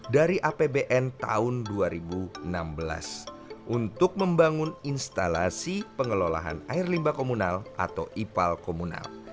dari apbn tahun dua ribu enam belas untuk membangun instalasi pengelolaan air limba komunal atau ipal komunal